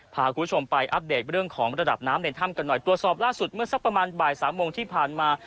พาคุณผู้ชมไปอัปเดตเรื่องของระดับน้ำในถ้ำกันหน่อยตรวจสอบล่าสุดเมื่อสักประมาณบ่ายสามโมงที่ผ่านมา